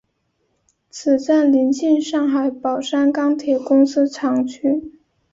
此站邻近上海宝山钢铁公司厂区。